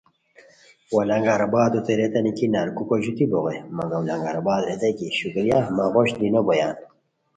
وا لنگر آبادوت ریتانی کی نرکوکو ژوتی بوغے مگم لنگر آباد ریتائے کی شکریہ مہ غوش دی نو بویان